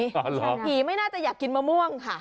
เออหรอมาราฮะพูดหน้าผีไม่น่าจะอยากกินมะม่วง